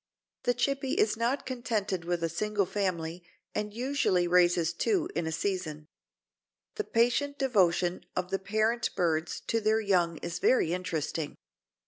The Chippy is not contented with a single family and usually raises two in a season. The patient devotion of the parent birds to their young is very interesting.